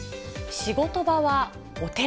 仕事場はお寺。